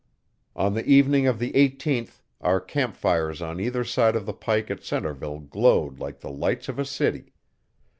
On the evening of the 18th our camp fires on either side of the pike at Centreville glowed like the lights of a city.